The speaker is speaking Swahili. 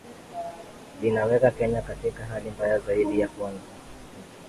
linaweka kenya katika hali mbaya zaidi kwanza kenya